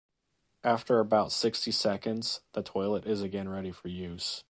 After about sixty seconds, the toilet is again ready for use.